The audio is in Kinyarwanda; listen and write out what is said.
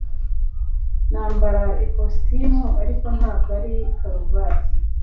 Nambara ikositimu ariko ntabwo ari karuvati